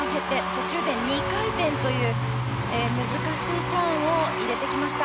途中で２回転という難しいターンを入れてきました。